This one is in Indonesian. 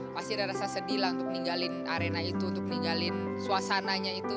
pasti ada rasa sedih lah untuk ninggalin arena itu untuk ninggalin suasananya itu